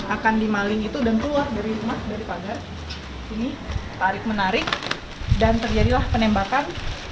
akan dimaling itu dan keluar dari rumah dari pagar ini tarik menarik dan terjadilah penembakan